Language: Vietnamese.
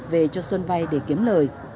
về cho xuân vay để kiếm lời